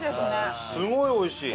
すごいおいしい。